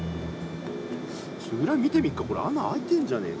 ちょっと裏見てみっかこれ穴開いてんじゃねえか？